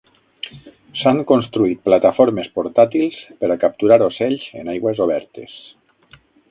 S'han construït plataformes portàtils per a capturar ocells en aigües obertes.